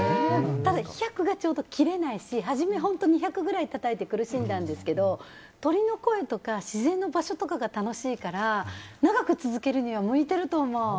ただ、１００が切れないしはじめは２００ぐらいたたいて苦しんだんですけど鳥の声とか自然の場所とかが楽しいから長く続けるには向いていると思う。